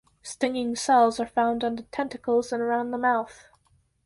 Stinging cells are found on the tentacles and around the mouth.